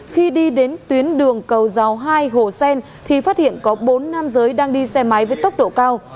khi đi đến tuyến đường cầu giáo hai hồ sen thì phát hiện có bốn nam giới đang đi xe máy với tốc độ cao